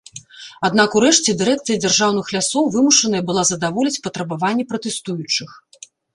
Аднак урэшце дырэкцыя дзяржаўных лясоў вымушаная была задаволіць патрабаванні пратэстуючых.